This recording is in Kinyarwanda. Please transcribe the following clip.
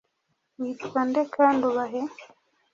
Witwa nde kandi ubahe